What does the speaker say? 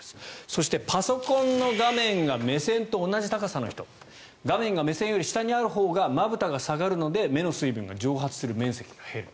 そして、パソコンの画面が目線と同じ高さの人画面が目線より下にあるほうがまぶたが下がるので目の水分が蒸発する面積が減る。